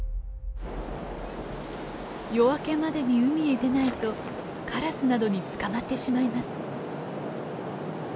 夜明けまでに海へ出ないとカラスなどに捕まってしまいます。